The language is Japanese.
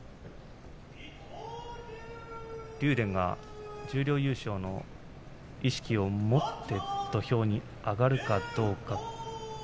竜電が十両優勝の意識を持って土俵に上がるかどうか。